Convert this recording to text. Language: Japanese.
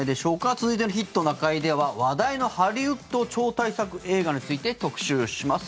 続いての「ヒットな会」では話題のハリウッド超大作映画について特集します。